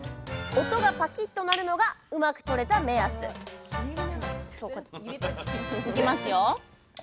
音がパキッと鳴るのがうまくとれた目安いきますよ。